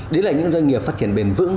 đấy là những doanh nghiệp phát triển bền vững